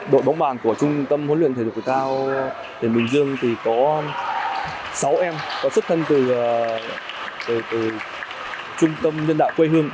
đội bóng bàn của trung tâm huấn luyện thể dục thể thao tỉnh bình dương có sáu em có xuất thân từ trung tâm nhân đạo quê hương